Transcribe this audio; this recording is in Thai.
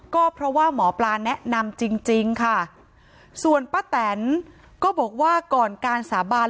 ก็เพราะว่าหมอปลาแนะนำจริงค่ะส่วนป้าแตนก็บอกว่าก่อนการสาบาน